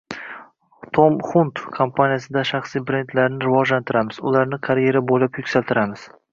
“Tom Hunt” kompaniyasida shaxsiy brendlarni rivojlantiramiz, ularni karyera boʻylab yuksaltiramiz